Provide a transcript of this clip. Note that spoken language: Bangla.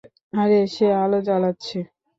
আরে, সে আলো জ্বালাচ্ছে।